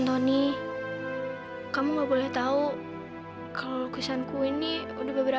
oh iya kali ya aku salah nyusung ya